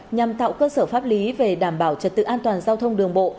nhằm tạo cơ sở pháp lý về đảm bảo trật tự an toàn giao thông đường bộ